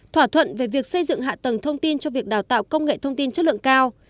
thỏa thuận về việc xây dựng hạ tầng thông tin cho việc đào tạo công nghệ thông tin chất lượng cao